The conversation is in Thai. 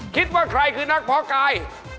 คิดว่าใครคือนักเพาะกาย